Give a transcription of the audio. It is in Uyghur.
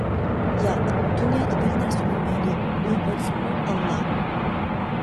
ياق دۇنيادا بىر نەرسە ئۆلمەيدۇ ئۇ بولسىمۇ ئاللا!